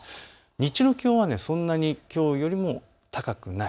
日中の気温はそんなにきょうよりも高くない。